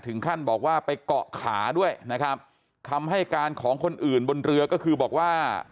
ถึงขั้นบอกว่าไปเกาะขาด้วยนะครับคำให้การของคนอื่นบนเรือก็คือบอกว่า